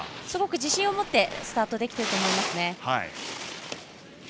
すごく自信を持ってスタートできていると思います。